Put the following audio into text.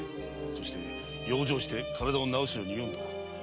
そして養生して身体を治すように言うんだ。